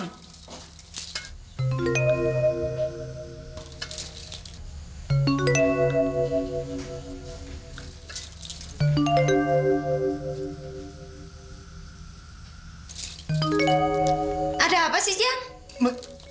gak ada apa sih jam